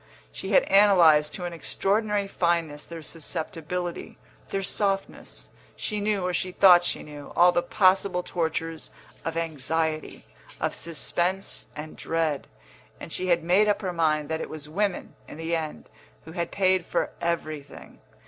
She had analysed to an extraordinary fineness their susceptibility, their softness; she knew (or she thought she knew) all the possible tortures of anxiety, of suspense and dread; and she had made up her mind that it was women, in the end, who had paid for everything.